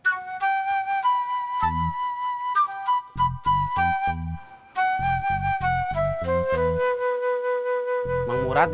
sampai jumpa nanti